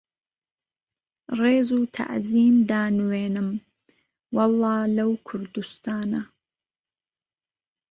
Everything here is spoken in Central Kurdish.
ڕێز و تەعزیم دانوێنم وەڵڵا لەو کوردوستانە